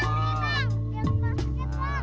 ya allah ya allah